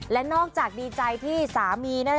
และนอกจากดีใจที่สามี